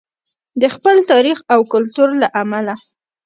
د خپل تاریخ او کلتور له امله.